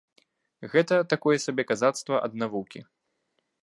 Гэта такое сабе казацтва ад навукі.